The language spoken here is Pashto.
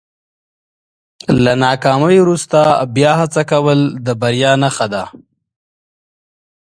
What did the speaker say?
له ناکامۍ وروسته بیا هڅه کول د بریا نښه ده.